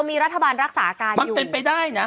มีรัฐบาลรักษาการอยู่เป็นไปได้นะ